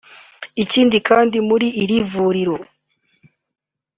Ikindi kandi muri iri vuriro